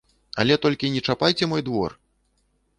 Але толькі не чапайце мой двор!